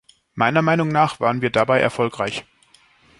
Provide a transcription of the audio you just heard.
Meiner Meinung nach, waren wir dabei erfolgreich.